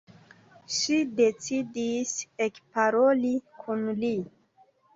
Ŝi decidis ekparoli kun li.